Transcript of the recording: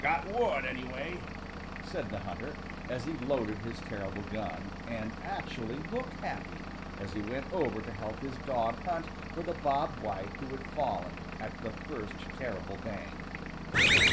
"Got one, anyway," said the hunter, as he loaded his terrible gun, and actually looked happy as he went over to help his dog hunt for the Bob White who had fallen at the first terrible bang.